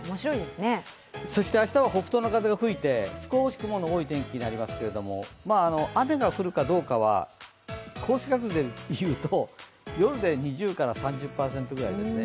そして明日は北東の風が吹いて少し雲の多い天気になりますけれども雨が降るかどうかは、降水確率でいうと夜で２０３０％ですね。